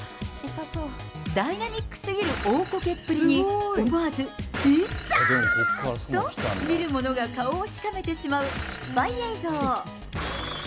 ダイナミックすぎる大こけっぷりに、思わず、痛ーい！と、見る者が顔をしかめてしまう失敗映像。